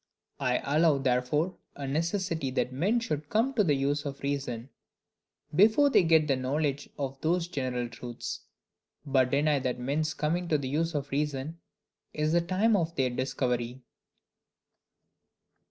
I allow therefore, a necessity that men should come to the use of reason before they get the knowledge of those general truths; but deny that men's coming to the use of reason is the time of their discovery.